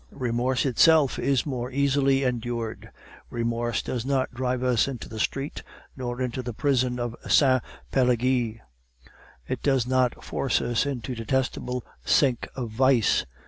"Remorse itself is more easily endured. Remorse does not drive us into the street nor into the prison of Sainte Pelagie; it does not force us into the detestable sink of vice.